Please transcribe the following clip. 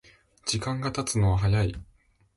時間がたつのは早い